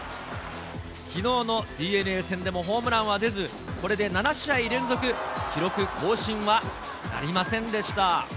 きのうのＤｅＮＡ戦でもホームランは出ず、これで７試合連続、記録更新はなりませんでした。